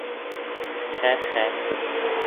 Хә-хә...